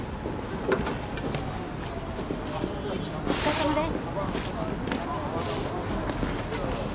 お疲れさまです。